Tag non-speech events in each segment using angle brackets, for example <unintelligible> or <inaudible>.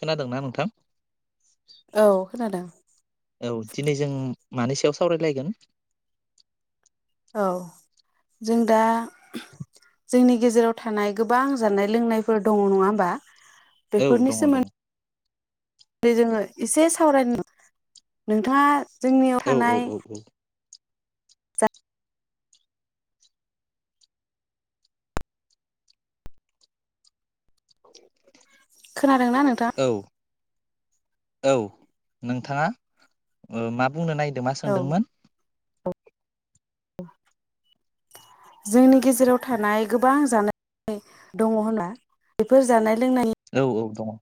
खोनादों ना नोंथां? औ खोनादों। औ दिनै जों मानि सायाव सावरायलायगोन? औ जों दा जोंनि गेजेराव थानाय गोबां जानाय लोंनायफोर दङ' नङा होमबा औ दङ' दङ' दे जोङो एसे सावरायनो नोंथाङा जोंनियाव औ औ थानाय औ <inaudible> खोनादों ना नोंथाङा? औ औ नोंथाङा? ओ मा बुंनो नायदो मा औ सोंदोंमोन? <inaudible> जोंनि गेजेराव थानाय गोबां जानाय दङ होनना बेफोर जानाय लोंनायनि औ औ दङ।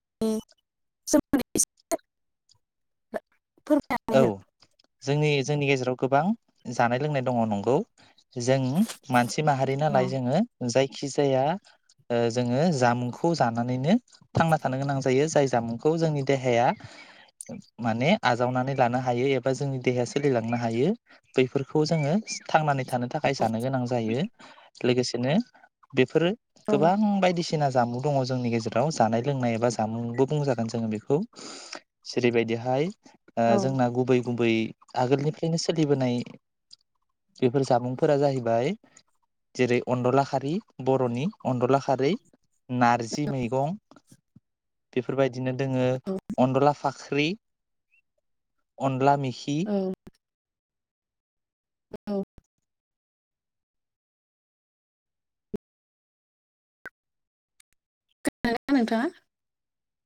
सोमोन्दै एसे <unintelligible> फोरमायनानै औ हो जोंनि जोंनि गेजेराव गोबां जानाय लोंनाय दङ नंगौ जों मानसि माहारि नालाय जोङो जाय खि जाया ओ जोङो जामुंखौ जानानैनो थांना थानो गोनां जायो। जाय जामुंखौ जोंनि देहाया माने आजावनानै लानो हायो एबा जोंनि देहाया सोलिलांनो हायो बैफोरखौ जोङो थांनानै थानो थाखाय जानो गोनां जायो। लोगोसेनो बेफोरो औ गोबां बायदिसि बायसिना जामु दङ जोंनि गेजेराव जानाय लोंनाय एबा जामुंबो बुंजागोन जोङो बेखौ जेरैबायदिहाय ओ औ जोंना गुबै गुबै आगोलनिफ्रायनो सोलिबोनाय बेफोर जामुंफोरा जाहैबाय जेरै अनदला खारि बर'नि अनदला खारि नारजि मैगं बेफोरबायदि बिदिनो दोङो अनदला फाख ख्रि अनला मि खि खोना <unintelligible> नोंथाङा?